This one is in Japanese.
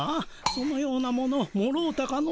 そのようなものもろうたかの？